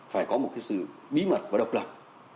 phải có một cái sự bí mật và độc lập